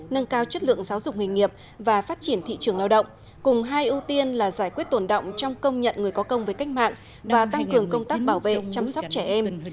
nâng cao chất lượng giáo dục nghề nghiệp và phát triển thị trường lao động cùng hai ưu tiên là giải quyết tồn động trong công nhận người có công với cách mạng và tăng cường công tác bảo vệ chăm sóc trẻ em